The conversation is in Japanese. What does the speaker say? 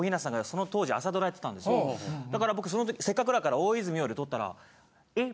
だから僕せっかくだから大泉洋で撮ったら。